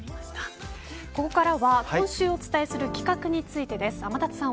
ここからは今週お伝えする企画についてです。